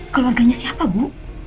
keluarganya siapa bu